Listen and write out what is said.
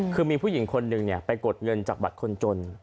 คือมีผู้หญิงคนหนึ่งไปกดเงินจากบัตรคนจน